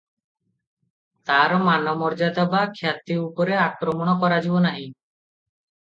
ତାର ମାନ ମର୍ଯ୍ୟାଦା ବା ଖ୍ୟାତି ଉପରେ ଆକ୍ରମଣ କରାଯିବ ନାହିଁ ।